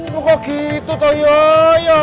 lu kok gitu toh yoyo